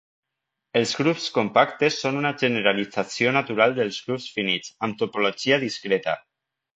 Els grups compactes són una generalització natural dels grups finits amb topologia discreta.